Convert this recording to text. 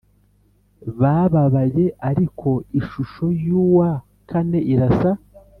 babaye Ariko ishusho y uwa kane irasa